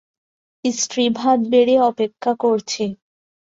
স্ত্রী ভাত বেড়ে অপেক্ষা করছে।